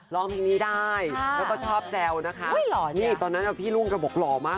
ร้องเพลงนี้ได้แล้วก็ชอบแซวนะคะนี่ตอนนั้นพี่รุ่งก็บอกหล่อมาก